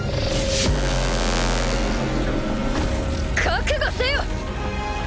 覚悟せよ！